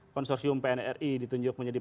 konsorsium pnri ditunjuk menjadi